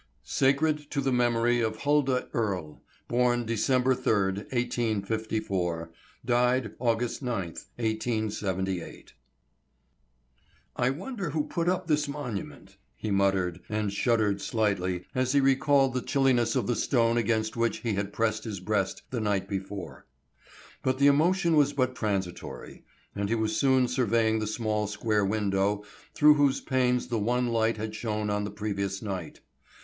SACRED TO THE MEMORY OF HULDAH EARLE. Born December Third, 1854. Died August Ninth, 1878. "I wonder who put up this monument," he muttered, and shuddered slightly as he recalled the chilliness of the stone against which he had pressed his breast the night before. But the emotion was but transitory, and he was soon surveying the small square window through whose panes the one light had shone on the previous night.